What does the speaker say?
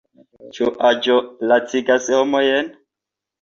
Ĉu aĝo lacigas homojn?